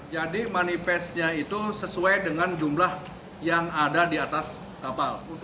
jadi manifestnya itu sesuai dengan jumlah yang ada di atas kapal